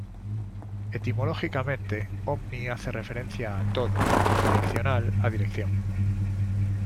Etimológicamente, "omni" hace referencia a "todo" y "direccional" a dirección.